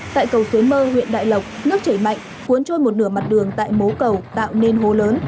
tại cầu xuế mơ huyện đại lộc nước chảy mạnh cuốn trôi một nửa mặt đường tại mố cầu tạo nên hố lớn